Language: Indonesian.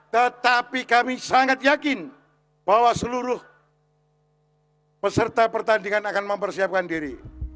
tetapi kami sangat yakin bahwa seluruh peserta pertandingan akan mempersiapkan diri